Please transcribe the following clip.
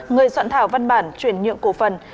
người soạn thảo văn bản chuyển nhượng cổ phần